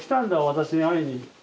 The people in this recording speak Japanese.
私に会いに。